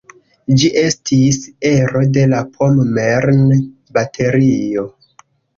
Ĝi estis ero de la "Pommern-Baterio".